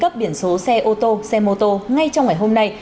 công an xã đã đăng ký cấp biển số xe ô tô xe mô tô ngay trong ngày hôm nay